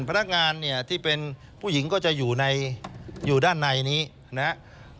พนักงานเนี่ยที่เป็นผู้หญิงก็จะอยู่ด้านในนี้นะครับ